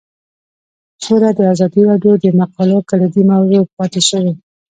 سوله د ازادي راډیو د مقالو کلیدي موضوع پاتې شوی.